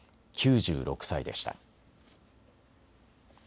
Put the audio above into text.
９６歳でした。